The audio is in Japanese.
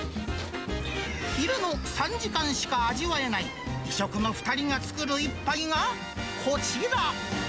昼の３時間しか味わえない異色の２人が作る一杯がこちら。